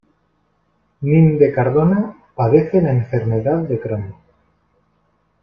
Nin de Cardona padece la enfermedad de Crohn.